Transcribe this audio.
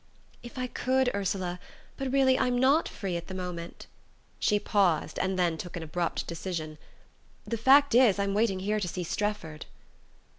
"If I could, Ursula... but really... I'm not free at the moment." She paused, and then took an abrupt decision. "The fact is, I'm waiting here to see Strefford."